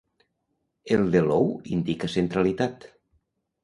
El de l'ou indica centralitat.